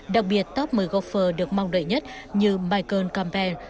đặc biệt top một mươi góp phở được mong đợi nhất như michael campbell